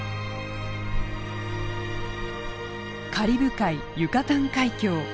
カリブ海ユカタン海峡。